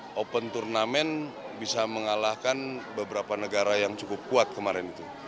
atlet kita bisa open turnamen bisa mengalahkan beberapa negara yang cukup kuat kemarin itu